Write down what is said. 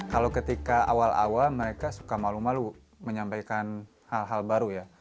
kalau ketika awal awal mereka suka malu malu menyampaikan hal hal baru ya